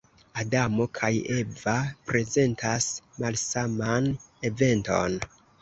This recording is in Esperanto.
Adamo kaj Eva prezentas malsaman eventon.